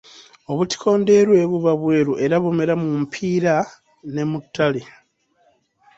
Obutiko Ndeerwe buba bweru era bumera mu mpiira ne mu ttale.